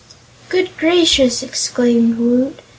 "Good gracious!" exclaimed Woot.